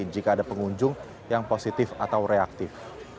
jika ada pengunjung yang positif atau reaktif